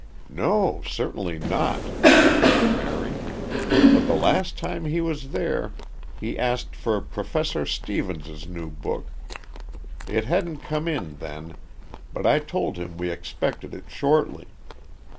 "No, certainly not," agreed Mary. "But the last time he was there he asked for Professor Stevens's new book. It hadn't come in then, but I told him we expected it shortly.